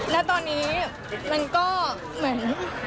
ณตอนนี้มันก็เหมือน